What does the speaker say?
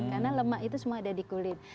karena lemak itu semua ada di kulit